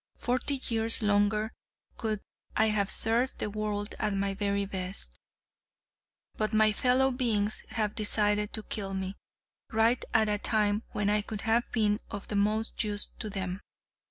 Forty years longer could I have served the world at my very best, but my fellow beings have decided to kill me, right at a time when I could have been of the most use to them.